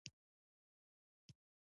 قوه په ختیځ په لوري عمل کوي.